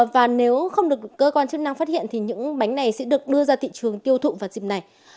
và nếu không được cơ quan chức năng phát hiện thì những bánh này sẽ được đưa ra thị trường tiêu thụ vào dịp này